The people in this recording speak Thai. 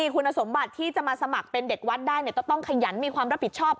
คุณสมบัติที่จะมาสมัครเป็นเด็กวัดได้ก็ต้องขยันมีความรับผิดชอบ